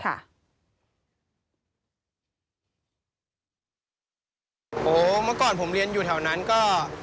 โอ้โหเมื่อก่อนผมเรียนอยู่แถวนั้นก็